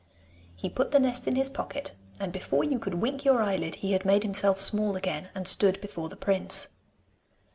He put the nest in his pocket, and before you could wink your eyelid he had made himself small again, and stood before the prince.